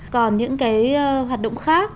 còn những cái hoạt động khác